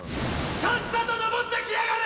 さっさと登って来やがれ！